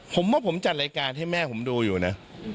ผมว่าผมจัดรายการให้แม่ผมดูอยู่นะ